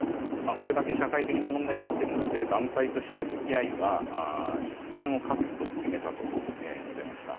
これだけ社会的問題になっているので、団体としてつきあいは一線を画すと決めたと述べました。